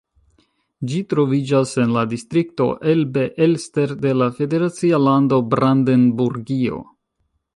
Ĝi troviĝas en la distrikto Elbe-Elster de la federacia lando Brandenburgio.